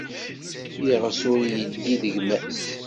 Iɣes ur iddi d gma-s.